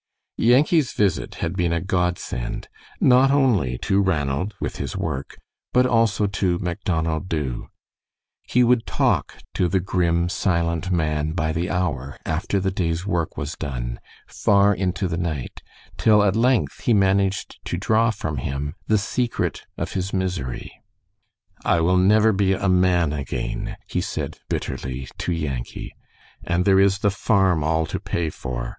Yankee's visit had been a godsend, not only to Ranald with his work, but also to Macdonald Dubh. He would talk to the grim, silent man by the hour, after the day's work was done, far into the night, till at length he managed to draw from him the secret of his misery. "I will never be a man again," he said, bitterly, to Yankee. "And there is the farm all to pay for.